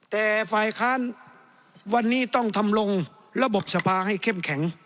แต่ฝ่ายค้านวันนี้ต้องทำลงระบบสภาให้เข้มแข็ง